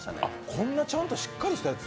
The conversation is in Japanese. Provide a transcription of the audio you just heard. こんなちゃんと、しっかりしたやつ？